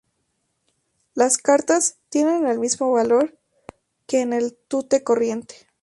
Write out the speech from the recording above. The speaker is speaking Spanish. Las cartas tienen el mismo valor que en el tute corriente.